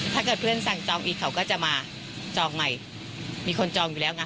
ถ้าเกิดเพื่อนสั่งจองอีกเขาก็จะมาจองใหม่มีคนจองอยู่แล้วไง